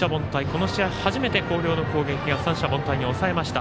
この試合、初めて広陵の攻撃を三者凡退に抑えました。